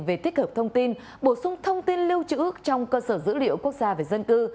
về tích hợp thông tin bổ sung thông tin lưu trữ trong cơ sở dữ liệu quốc gia về dân cư